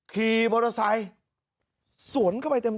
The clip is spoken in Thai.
ขี่มอเตอร์ไซค์สวนเข้าไปเต็ม